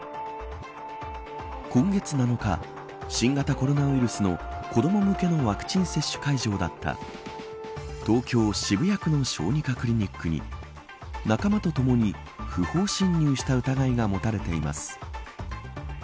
今月７日新型コロナウイルスの子ども向けのワクチン接種会場だった東京、渋谷区の小児科クリニックに仲間とともに、不法侵入した疑いが持たれています。